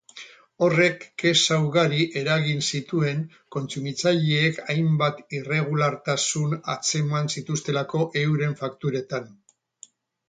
Horrek kexa ugari eragin zituen kontsumitzaileek hainbat irregulartasun atzeman zituztelako euren fakturetan.